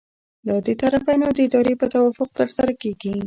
دا د طرفینو د ارادې په توافق ترسره کیږي.